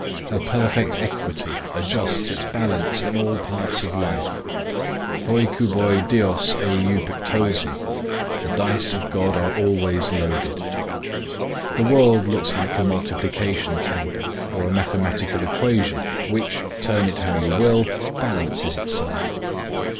A perfect equity adjusts its balance in all parts of life. Ἀεὶ γὰρ εὖ πίπτουσιν οἱ Διὸς κύβοι,—The dice of God are always loaded. The world looks like a multiplication table, or a mathematical equation, which, turn it how you will, balances itself.